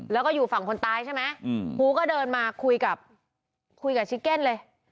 แล้วก็อยู่ฝั่งคนตายใช่ไหมครูก็เดินมาคุยกับคุยกับชิเก้นเลย